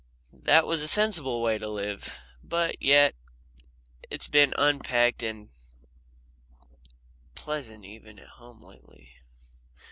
That was a sensible way to live, but yet it's been unpecked at and pleasant even at home lately.